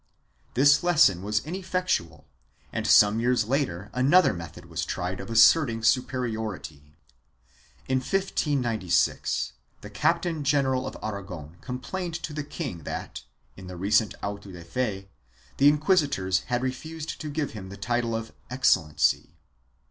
This lesson was ineffectual and some years later another method was tried of asserting superiority. In 1596, the Captain general of Aragon complained to the king that, in the recent auto de fe, the inquisi tors had refused to give him the title of Excellency.